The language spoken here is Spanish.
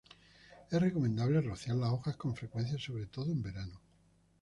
Es recomendable rociar las hojas con frecuencia, sobre todo en verano.